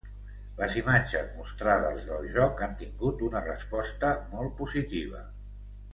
Les imatges mostrades del joc han tingut una resposta molt positiva.